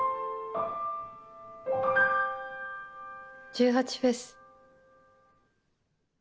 １８祭。